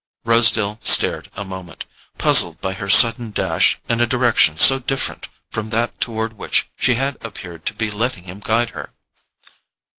Rosedale stared a moment, puzzled by her sudden dash in a direction so different from that toward which she had appeared to be letting him guide her.